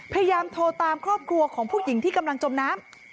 พยายามโทรตามครอบครัวของผู้หญิงที่กำลังจมน้ำ